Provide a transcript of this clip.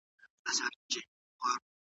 ساعت ته کتل کېږي.